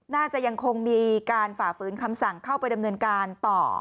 น่าจะยังคงมีการฝ่าฝืนคำสั่งเข้าไปดำเนินการต่อ